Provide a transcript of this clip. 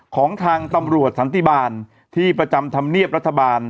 ของทางตำรวจสันติบาลที่ประจำธรรมเนียบรัฐบาล